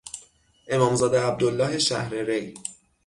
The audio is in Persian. امامزاده عبدالله شهر ری